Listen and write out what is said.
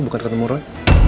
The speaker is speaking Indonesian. bukan ketemu roy